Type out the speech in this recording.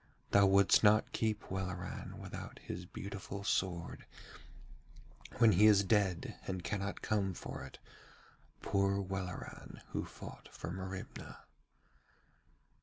Thou wouldst not keep Welleran without his beautiful sword when he is dead and cannot come for it, poor Welleran who fought for Merimna.'